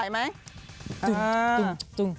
อ้าวไปอ่ะวายไหม